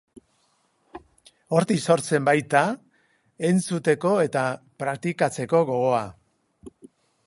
Hortik sortzen baita entzuteko eta praktikatzeko gogoa.